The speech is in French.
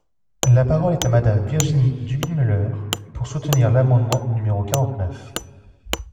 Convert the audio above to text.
La parole est à Madame Virginie Duby-Muller, pour soutenir l’amendement numéro quarante-neuf.